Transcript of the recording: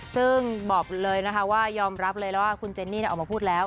ซึ่งบอกเลยนะคะว่ายอมรับเลยแล้วว่าคุณเจนนี่ออกมาพูดแล้ว